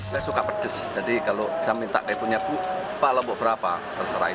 petis petis ya petisnya terasa enak enak sekali